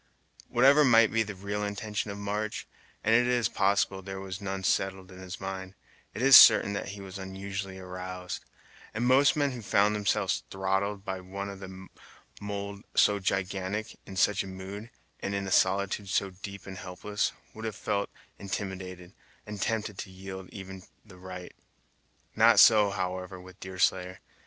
Whatever might be the real intention of March, and it is probable there was none settled in his mind, it is certain that he was unusually aroused; and most men who found themselves throttled by one of a mould so gigantic, in such a mood, and in a solitude so deep and helpless, would have felt intimidated, and tempted to yield even the right. Not so, however, with Deerslayer.